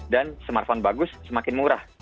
dan smartphone bagus semakin murah